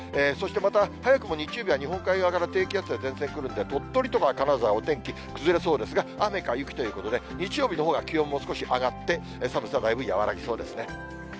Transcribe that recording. そしてまた、早くも日曜日は日本海側から低気圧や前線来るんで、鳥取とか金沢はお天気崩れそうですが、雨か雪ということで、日曜日のほうが気温も少し上がって、寒さだいぶ和らぎそうですね。